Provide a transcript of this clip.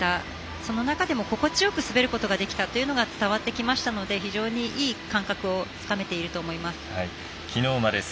その中でも心地よく滑ることができたというのが伝わってきましたので非常にいい感覚をつかめていると思います。